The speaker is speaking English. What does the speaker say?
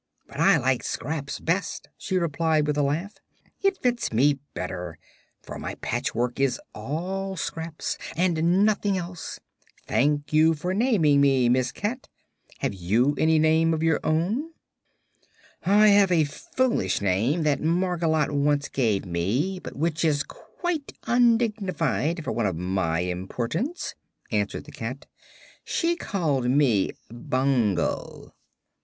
"But I like 'Scraps' best," she replied with a laugh. "It fits me better, for my patchwork is all scraps, and nothing else. Thank you for naming me, Miss Cat. Have you any name of your own?" "I have a foolish name that Margolotte once gave me, but which is quite undignified for one of my importance," answered the cat. "She called me 'Bungle.'"